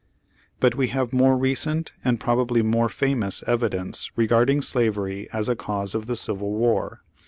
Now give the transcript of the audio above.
But we have more recent and probably more famous evidence regarding slavery as a cause of the Civil War.